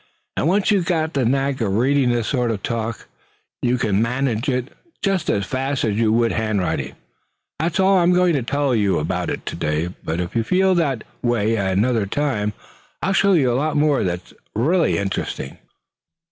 And once you've got the knack of reading this sort of talk, you can manage it just as fast as you would hand writing. That's all I'm going to tell you about it to day; but if you feel that way another time, I'll show you a lot more that is interesting."